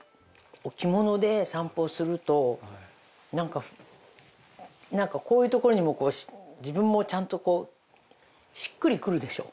着物で散歩をするとなんかなんかこういう所にも自分もちゃんとこうしっくりくるでしょ。